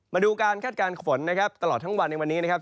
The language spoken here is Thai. มาดูการคาดการณ์ฝนนะครับตลอดทั้งวันในวันนี้นะครับ